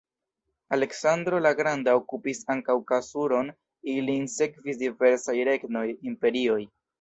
Aleksandro la Granda okupis ankaŭ Kasur-on, ilin sekvis diversaj regnoj, imperioj.